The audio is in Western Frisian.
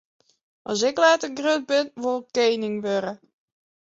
As ik letter grut bin, wol ik kening wurde.